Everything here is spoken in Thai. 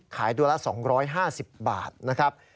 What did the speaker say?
ขายตัวละ๒๕๐บาทนะครับ